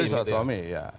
istri atau suami iya